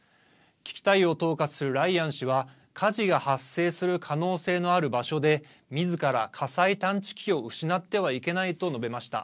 危機対応を統括するライアン氏は火事が発生する可能性のある場所でみずから火災探知機を失ってはいけないと述べました。